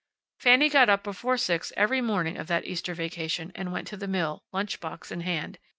Fanny got up before six every morning of that Easter vacation, and went to the mill, lunch box in hand.